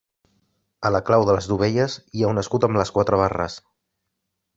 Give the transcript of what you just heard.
A la clau de les dovelles hi ha un escut amb les quatre barres.